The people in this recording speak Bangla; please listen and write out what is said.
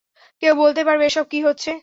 কেউ বলতে পারবে এসব কী হচ্ছে?